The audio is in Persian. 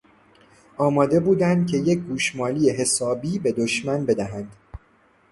آماده بودند که یک گوشمالی حسابی به دشمن بدهند.